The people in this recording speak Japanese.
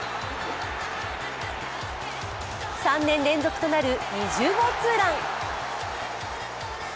３年連続となる２０号ツーラン。